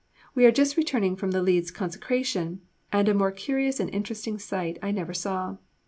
We are just returned from the Leeds Consecration, and a more curious or interesting sight I never saw.